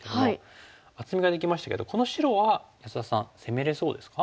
厚みができましたけどこの白は安田さん攻めれそうですか？